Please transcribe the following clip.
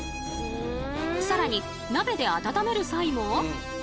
更に鍋で温める際も。